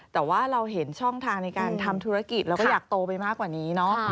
แต่ว่าเราเห็นช่องทางในการทำธุรกิจเราก็อยากโตไปมากกว่านี้เนาะ